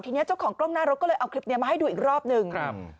ทีนี้เจ้าของกล้องหน้ารถก็เลยเอาคลิปเนี้ยมาให้ดูอีกรอบหนึ่งครับ